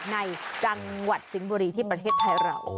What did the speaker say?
ในจังหวัดสิงห์บุรีที่ประเทศไทยเรา